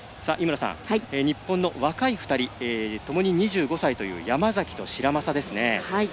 日本の若い２人ともに２５歳という山崎と白砂ですね。